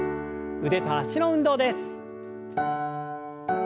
腕と脚の運動です。